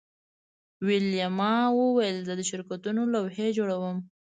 ویلما وویل زه د شرکتونو لوحې جوړوم